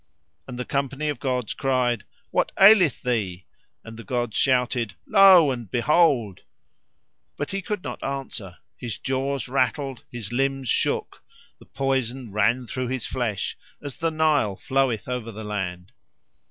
And the company of gods cried, "What aileth thee?" and the gods shouted, "Lo and behold!" But he could not answer; his jaws rattled, his limbs shook, the poison ran through his flesh as the Nile floweth over the land.